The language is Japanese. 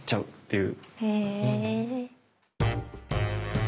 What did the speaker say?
へえ！